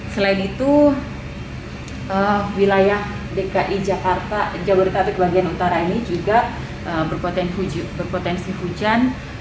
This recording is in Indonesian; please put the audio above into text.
selain itu wilayah dki jakarta jabodetabek bagian utara ini juga berpotensi hujan